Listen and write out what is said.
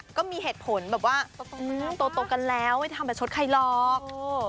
แล้วก็มีเหตุผลแบบว่าโตโตกันแล้วไม่ได้ทำแบบชดใครหรอก